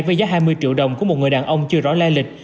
với giá hai mươi triệu đồng của một người đàn ông chưa rõ lai lịch